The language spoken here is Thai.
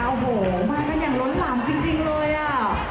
โอ้โหมากันอย่างล้นหลามจริงเลยอ่ะ